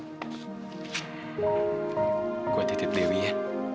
aku titip dewi ya